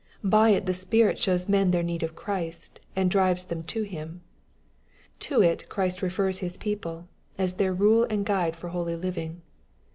By it the Spirit Bhows men their need of Christ, and drives them to Him. To it Christ refers His people as their rule and guide for holy living.